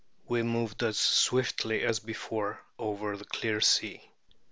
We moved as swiftly as before over the clear sea.